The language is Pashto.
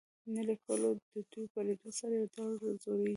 نو ليکوال د دوي په ليدو سره يو ډول ځوريږي.